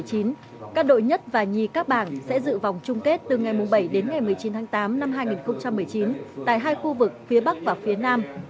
các đội nhất và nhì các bảng sẽ dự vòng chung kết từ ngày bảy đến ngày một mươi chín tháng tám năm hai nghìn một mươi chín tại hai khu vực phía bắc và phía nam